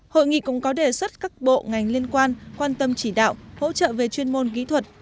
hội nghị cũng có đề xuất các bộ ngành liên quan quan tâm chỉ đạo hỗ trợ về chuyên môn kỹ thuật